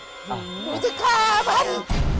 หนูจะกล้ามานี่